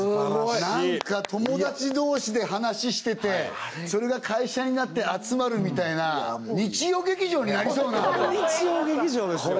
何か友達同士で話しててそれが会社になって集まるみたいな日曜劇場になりそうな日曜劇場ですよ